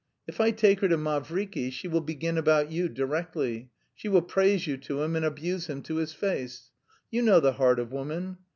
If I take her to Mavriky she will begin about you directly; she will praise you to him and abuse him to his face. You know the heart of woman!